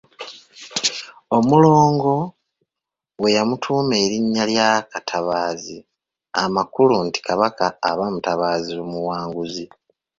Omulongo we yamutuuma lya Katabaazi amakulu nti Kabaka aba mutabaazi muwanguzi.